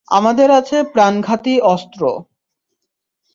আমাদের আছে প্রাণঘাতী অস্ত্র।